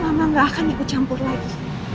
mama nggak akan ikut campur lagi